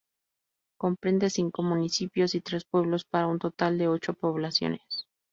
Comprende cinco municipios y tres pueblos, para un total de ocho poblaciones.